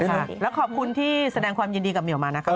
แล้วขอบคุณที่แสดงความยินดีกับเหี่ยวมานะคะ